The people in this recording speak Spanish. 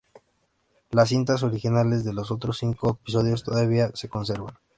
Las cintas originales de los otros cinco episodios todavía se conservan.